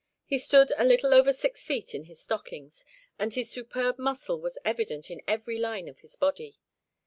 He stood a little over six feet in his stockings, and his superb muscle was evident in every line of his body.